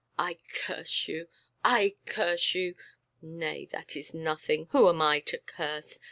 I curse you! I curse you! Nay, that is nothing; who am I to curse?